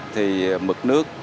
thì mực nước